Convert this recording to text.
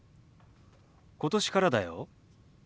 今年からだよ。